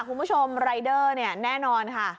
คุณผู้ชมรายเดอร์เนี่ยแน่นอนค่ะ